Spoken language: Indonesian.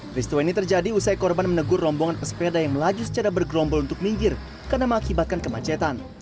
peristiwa ini terjadi usai korban menegur rombongan pesepeda yang melaju secara bergerombol untuk minggir karena mengakibatkan kemacetan